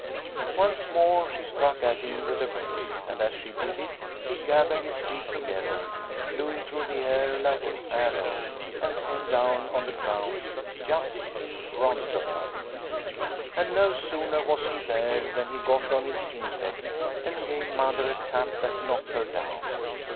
" Once more she struck at him with the rake and as she did it he gathered his feet together, flew through the air like an arrow and came down on the ground just in front of her. " And no sooner was he there than he got on his hind legs and gave Mother a tap that knocked her down.